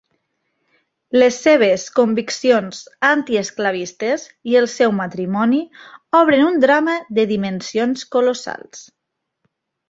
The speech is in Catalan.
Les seves conviccions antiesclavistes i el seu matrimoni obren un drama de dimensions colossals.